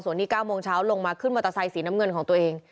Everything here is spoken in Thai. ส่วนนี้๙โมงเช้าลงมาขึ้นมอเตอร์ไซสีน้ำเงินของตัวเอง